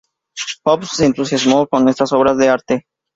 Popp se entusiasmó con estas obras de arte.